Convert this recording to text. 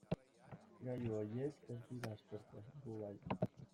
Gailu horiek ez dira aspertzen, gu bai.